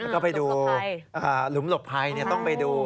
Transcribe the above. ก็ไปดูหลุมหลกไพรต้องไปดู